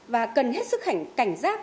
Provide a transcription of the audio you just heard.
và cần hết sức cảnh giác